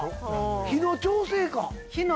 火の調整か？